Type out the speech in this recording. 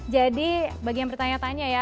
jadi bagi yang bertanya tanya ya